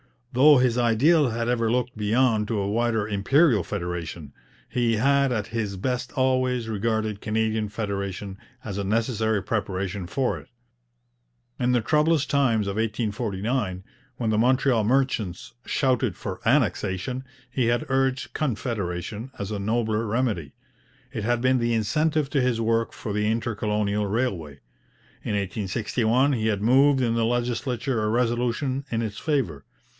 Though his ideal had ever looked beyond to a wider Imperial federation, he had at his best always regarded Canadian federation as a necessary preparation for it. In the troublous times of 1849, when the Montreal merchants shouted for Annexation, he had urged Confederation as a nobler remedy. It had been the incentive to his work for the inter colonial railway. In 1861 he had moved in the legislature a resolution in its favour.